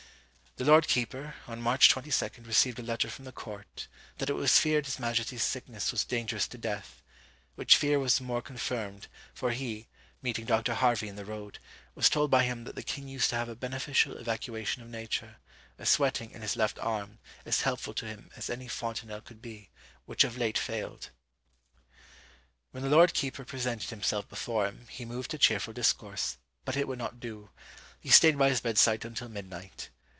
"The lord keeper, on March 22, received a letter from the court, that it was feared his majesty's sickness was dangerous to death; which fear was more confirmed, for he, meeting Dr. Harvey in the road, was told by him that the king used to have a beneficial evacuation of nature, a sweating in his left arm, as helpful to him as any fontenel could be, which of late failed. "When the lord keeper presented himself before him, he moved to cheerful discourse, but it would not do. He stayed by his bedside until midnight.